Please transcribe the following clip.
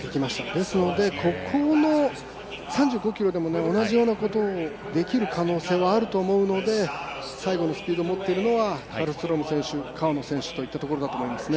ですのでここの３５ｋｍでも同じようなことをできる可能性はあると思うので最後のスピードを持っている選手はカルストローム選手川野選手といったところでしょうか。